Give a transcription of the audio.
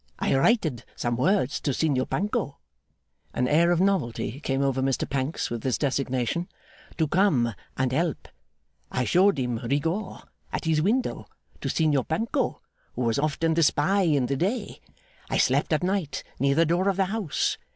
I writed some words to Signor Panco,' an air of novelty came over Mr Pancks with this designation, 'to come and help. I showed him, Rigaud, at his window, to Signor Panco, who was often the spy in the day. I slept at night near the door of the house.